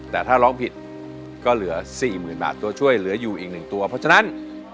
แต่ถ้าร้องผิดก็เหลือ๔๐๐๐บาทตัวช่วยเหลืออยู่อีก๑ตัวเพราะฉะนั้น